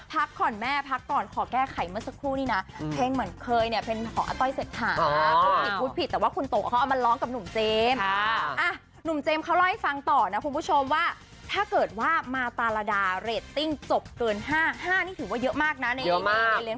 แต่ผมแซวเลยว่าโฟมมันก็มาตราตูนสิ